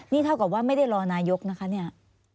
นี่เท่ากับว่าไม่ได้รอนายกนะคะเนี่ย